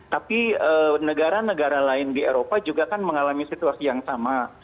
tapi negara negara lain di eropa juga kan mengalami situasi yang sama